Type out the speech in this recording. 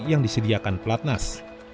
yang disediakan pelatnas